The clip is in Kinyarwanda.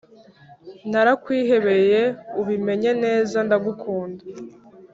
Narakwihebeyeubimenye neza ndagukunda